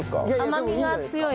甘みが強い。